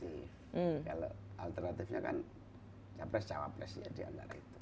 kalau alternatifnya kan capres cawapres ya diantara itu